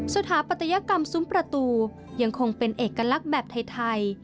สถาปัตยกรรมซุ้มประตูยังคงเป็นเอกลักษณ์แบบไทย